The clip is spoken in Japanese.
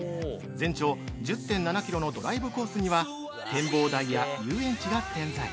全長１０．７キロのドライブコースには展望台や遊園地が点在。